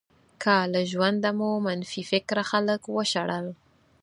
که له ژونده مو منفي فکره خلک وشړل.